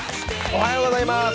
おはようございます